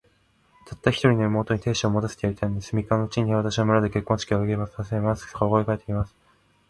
たった一人の妹に、亭主を持たせてやりたいのです。三日のうちに、私は村で結婚式を挙げさせ、必ず、ここへ帰って来ます。